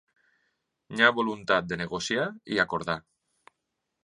Hi ha voluntat de negociar i acordar.